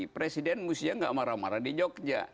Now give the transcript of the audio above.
presiden mesti dia nggak marah marah di jogja